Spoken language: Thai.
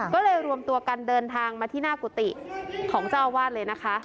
ก็เลยรวมตัวกันเดินทางมาที่หน้ากุฏิของเจ้าอาวาสเลยนะคะ